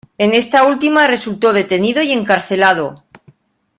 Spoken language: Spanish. En esta última resultó detenido y encarcelado.